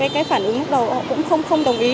cái phản ứng lúc đầu họ cũng không đồng ý